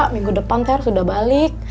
minggu depan teh harus udah balik